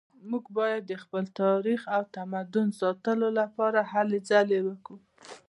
موږ باید د خپل تاریخ او تمدن د ساتنې لپاره هلې ځلې وکړو